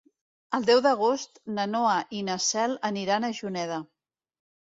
El deu d'agost na Noa i na Cel aniran a Juneda.